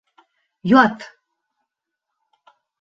— Ят!